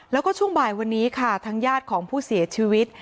แล้วก็ช่วงบ่ายวันนี้ค่ะทางญาติของผู้เสียชีวิต